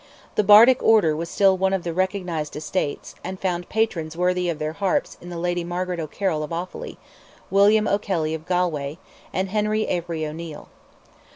The Bardic order was still one of the recognized estates, and found patrons worthy of their harps in the lady Margaret O'Carroll of Offally, William O'Kelley of Galway, and Henry Avery O'Neil.